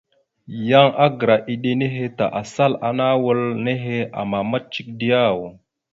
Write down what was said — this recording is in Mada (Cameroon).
Yan agra eɗe nehe ta asal ana wal nehe amamat cek diyaw ?